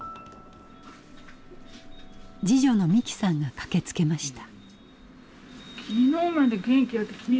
次女の美紀さんが駆けつけました。